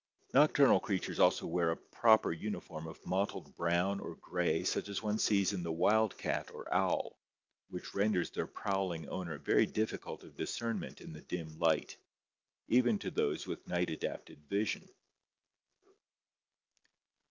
Nocturnal creatures also wear a proper uniform of mottled brown or gray such as one sees in the wild cat or owl, which renders their prowling owner very difficult of discernment in the dim light, even to those with night adapted vision.